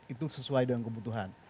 itu sesuai dengan kebutuhan